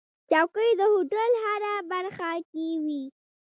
چوکۍ د هوټل هره برخه کې وي.